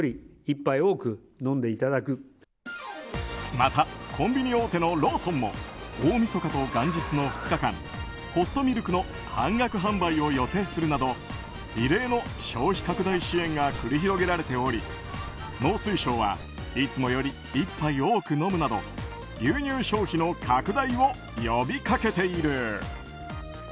またコンビニ大手のローソンも大みそかと元日の２日間ホットミルクの半額販売を予定するなど異例の消費拡大支援が繰り広げられており農水省はいつもより１杯多く飲むなど牛乳消費の拡大を呼びかけている。